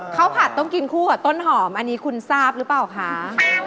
ผัดต้องกินคู่กับต้นหอมอันนี้คุณทราบหรือเปล่าคะ